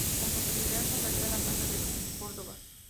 Con posterioridad pasarían a la casa de los Cardona.